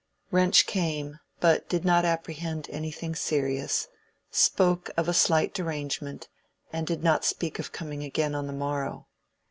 Wrench came, but did not apprehend anything serious, spoke of a "slight derangement," and did not speak of coming again on the morrow.